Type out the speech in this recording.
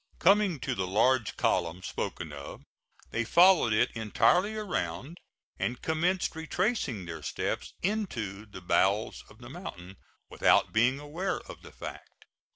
Coming to the large column spoken of, they followed it entirely around, and commenced retracing their steps into the bowels of the mountain, without being aware of the fact.